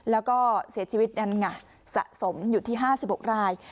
และก็เสียชีวิตสะสมอยู่ที่๕๖ราย